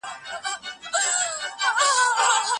که هغه شپې تيري سوي يا پوره سوي وي، نو قضاء نلري.